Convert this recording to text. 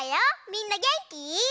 みんなげんき？